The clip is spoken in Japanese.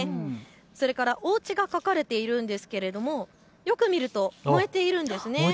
それからおうちが描かれているんですがよく見ると燃えているんです。